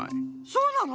そうなの？